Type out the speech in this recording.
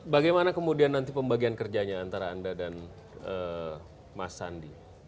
bagaimana kemudian nanti pembagian kerjanya antara anda dan mas sandi